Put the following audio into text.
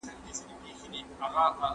ایا کورني سوداګر تور ممیز پلوري؟